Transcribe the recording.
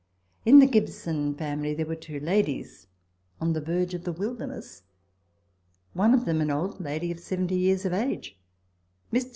In the Gibson family there were two ladies (on the verge of the wilderness), one of them an old lady of 70 years of age. Mr.